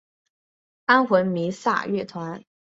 安魂弥撒乐团。